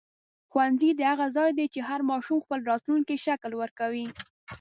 ښوونځی د هغه ځای دی چې هر ماشوم خپل راتلونکی شکل ورکوي.